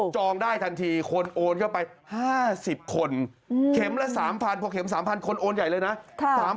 จองได้ทันทีคนโอนเข้าไป๕๐คนเข็มละ๓๐๐๐คนโอนใหญ่เลยนะ